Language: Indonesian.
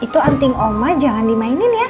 itu anting oma jangan di mainin ya